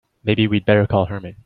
Maybe we'd better call Herman.